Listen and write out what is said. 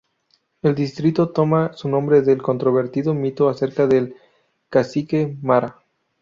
El distrito toma su nombre del controvertido mito acerca del Cacique Mara.